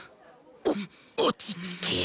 お落ち着け